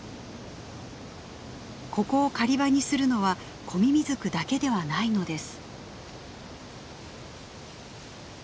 ここを狩り場にするのはコミミズクだけではないのです。